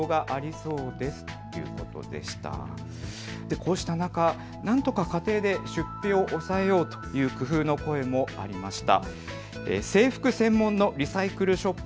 こうした中、なんとかして家庭で出費を抑えようという工夫の声もありました。